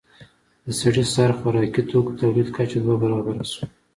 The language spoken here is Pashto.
د سړي سر خوراکي توکو تولید کچه دوه برابره شوه.